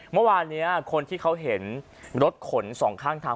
เมื่อวานนี้คนที่เขาเห็นรถขนสองข้างทาง